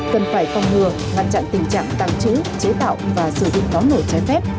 cần phải phòng ngừa ngăn chặn tình trạng tăng trữ chế tạo và sử dụng đóng nổ trái phép